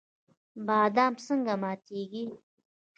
بادام څنګه ماتیږي؟